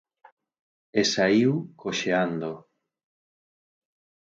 E saíu coxeando.